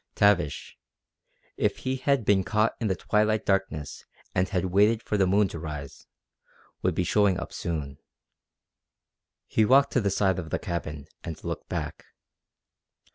Tavish, if he had been caught in the twilight darkness and had waited for the moon to rise, would be showing up soon. He walked to the side of the cabin and looked back.